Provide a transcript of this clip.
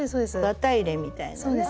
綿入れみたいなね。